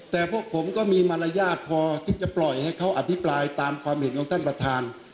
แต่พวกผมก็มีมารยาทพอที่จะปล่อยให้เขาอภิปรายตามความเห็นของท่านประธาน